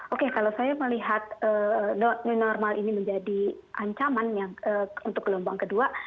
oke kalau saya melihat new normal ini menjadi ancaman untuk gelombang kedua